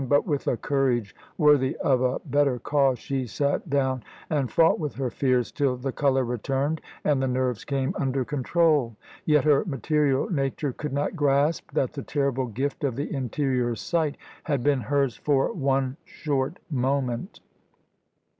But, with a courage worthy of a better cause, she sat down and fought with her fears, till the colour returned and the nerves came under control. Yet her material nature could not grasp that the terrible gift of the interior sight had been hers for one short moment.